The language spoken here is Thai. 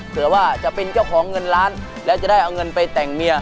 เผื่อว่าจะเป็นเจ้าของเงินล้านแล้วจะได้เอาเงินไปแต่งเมีย